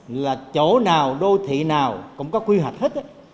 là chỗ nào đô thị nào cũng có quy hoạch hết